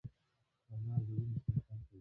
انار د وینې صفا کوي.